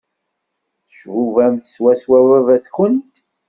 Tcubamt swaswa baba-twent.